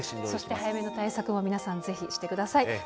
そして早めの対策を皆さん、ぜひしてください。